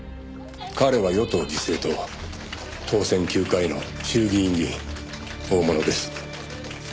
「彼は与党自生党当選９回の衆議院議員」「大物です」